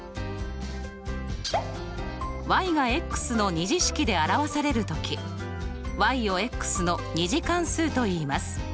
がの２次式で表される時をの２次関数といいます。